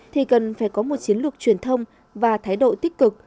thì cần phải có một chiến lược truyền thông và thái độ tích cực